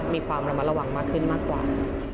มีความระมัดระวังมากขึ้นมากกว่า